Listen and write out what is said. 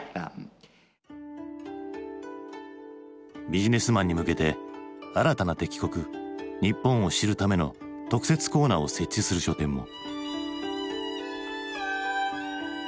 ビジネスマンに向けて新たな敵国日本を知るための特設コーナーを設置する書店も。